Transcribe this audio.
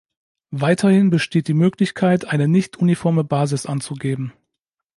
Weiterhin besteht die Möglichkeit, eine nicht uniforme Basis anzugeben.